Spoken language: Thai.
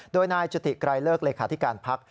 โดยนายจุติไกรเลิกเลขาธิการพัก